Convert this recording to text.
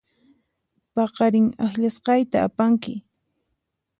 Paqarin akllasqayta apanki.